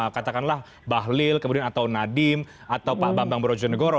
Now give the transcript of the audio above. katakanlah bahlil kemudian atau nadiem atau pak bambang brojonegoro